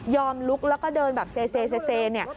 ลุกแล้วก็เดินแบบเซเนี่ย